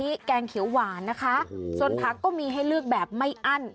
แกงเขียวหวานนะคะส่วนผักก็มีให้เลือกแบบไม่อั้น